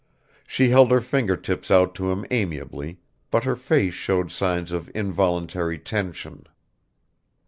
She held her finger tips out to him amiably, but her face showed signs of involuntary tension.